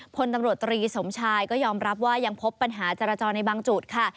พลตำรวจตรีสมชายก็ยอมรับว่ายังพบปัญหาจรจรในบางจุดค่ะ